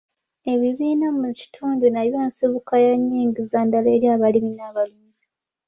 Ebibiina mu kitundu nabyo nsibuko ya nyingiza ndala eri abalimi n'abalunzi.